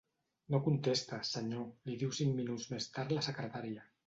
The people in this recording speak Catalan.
No contesta, senyor —li diu cinc minuts més tard la secretària—.